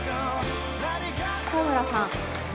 幸村さん。